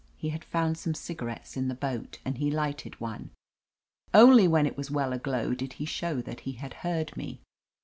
He had found some cigarettes in the boat, and he lighted one. Only when it was well aglow did he show that he had heard me.